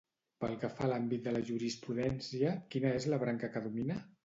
Pel que fa a l'àmbit de la jurisprudència, quina és la branca que domina?